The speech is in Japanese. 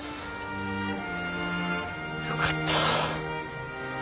よかった。